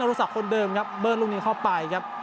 รุสักคนเดิมครับเบิ้ลลูกนี้เข้าไปครับ